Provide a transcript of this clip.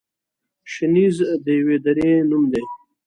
شنیز د یوې درې نوم دی.